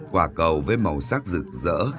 quả cầu với màu sắc rực rỡ